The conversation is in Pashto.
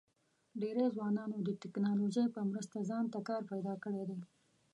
ډېری ځوانانو د ټیکنالوژۍ په مرسته ځان ته کار پیدا کړی دی.